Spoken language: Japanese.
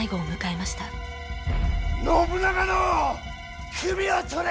信長の首を取れ！